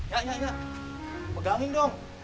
ya ya ya pegangin dong